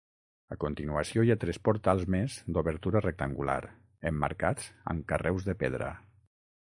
A continuació hi ha tres portals més d'obertura rectangular, emmarcats amb carreus de pedra.